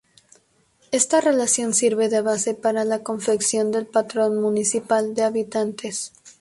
Esta relación sirve de base para la confección del padrón municipal de habitantes.